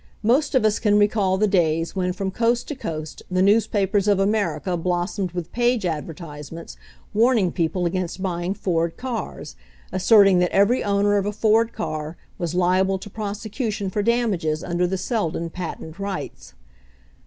Most of us can recall the days when from coast to coast the newspapers of America blossomed with page advertisements warning people against buy ing Ford cars, asserting that every owner of a Ford car was liable to prosecution for damages utider the Seldon patent rights.